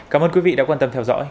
cảm ơn quý vị đã quan tâm theo dõi